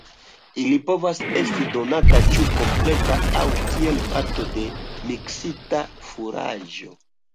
Ili povas esti donata ĉu kompleta aŭ kiel parto de miksita furaĝo.